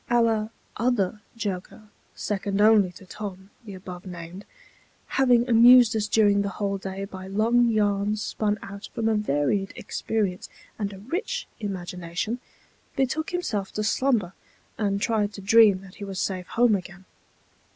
Our other joker, second only to Tom, the above named, having amused us during the whole day by long yarns spun out from a varied experience and a rich imagination, betook himself to slumber, and tried to dream that he was safe home again.